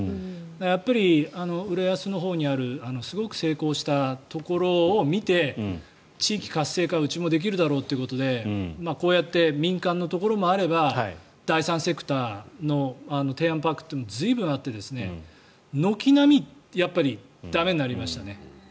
やっぱり浦安のほうにあるすごく成功したところを見て地域活性化うちもできるだろうということでこうやって民間のところもあれば第三セクターのテーマパークというのも随分あって軒並みやっぱり駄目になりましたね。